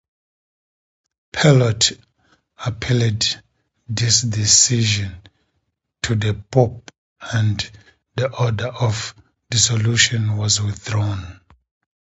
Pallotti appealed this decision to the Pope and the order of dissolution was withdrawn.